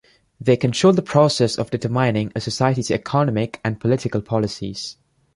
They control the process of determining a society's economic and political policies.